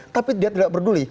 tapi dia tidak peduli